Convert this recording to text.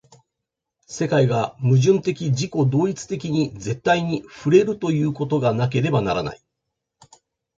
世界が矛盾的自己同一的に絶対に触れるということがなければならない。